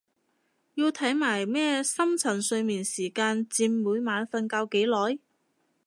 要睇埋咩深層睡眠時間佔每晚瞓覺幾耐？